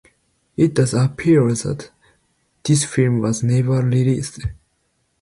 It does appear that this film was never released.